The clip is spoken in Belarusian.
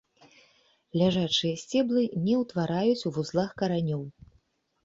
Ляжачыя сцеблы не ўтвараюць ў вузлах каранёў.